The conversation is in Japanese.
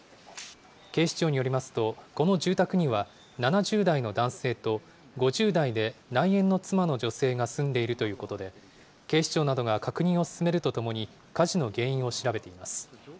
警視庁によりますと、この住宅には７０代の男性と５０代で内縁の妻の女性が住んでいるということで、警視庁などが確認を進めるとともに、火事の原因を調べています。